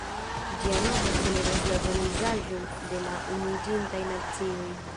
Ĝia nomo celebras la organizaĵon de la Unuiĝintaj Nacioj.